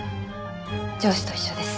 上司と一緒です。